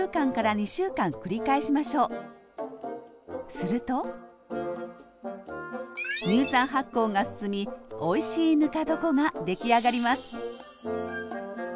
すると乳酸発酵が進みおいしいぬか床ができあがります